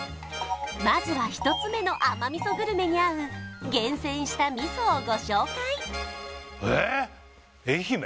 まずは１つ目の甘味噌グルメに合う厳選した味噌をご紹介えっ愛媛？